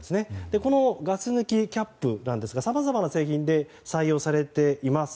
このガス抜きキャップですがさまざまな製品で採用されています。